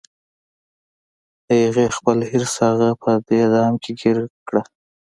د هغې خپل حرص هغه په دې دام کې ګیر کړه